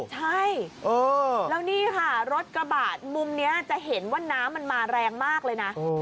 ใช่แล้วนี่ค่ะรถกระบะมุมนี้จะเห็นว่าน้ำมันมาแรงมากเลยนะ